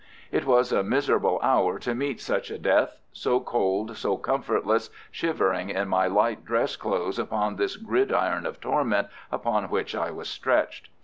It was a miserable hour to meet such a death—so cold, so comfortless, shivering in my light dress clothes upon this gridiron of torment upon which I was stretched.